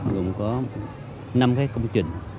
gồm có năm công trình